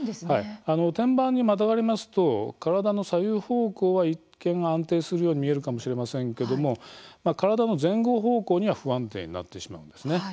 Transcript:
天板にまたがりますと体の左右方向は一見、安定するように見えるかもしれませんけども体の前後方向には不安定になってしまうんですね。